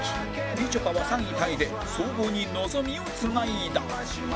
みちょぱは３位タイで総合に望みを繋いだ